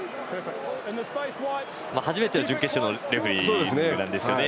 初めての準決勝のレフェリングなんですよね。